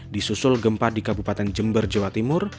disusul gempa di kabupaten jember jawa timur